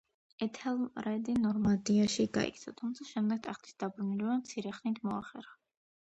ეთელრედი ნორმანდიაში გაიქცა, თუმცა შემდეგ ტახტის დაბრუნება მცირე ხნით მოახერხა.